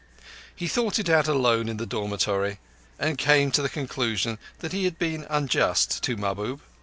He thought it out alone in the dormitory, and came to the conclusion he had been unjust to Mahbub.